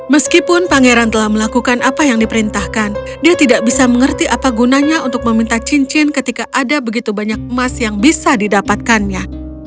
meskipun pangeran telah melakukan apa yang diperintahkan dia tidak bisa mengerti apa gunanya untuk meminta cincin ketika ada begitu banyak emas yang bisa didapatkannya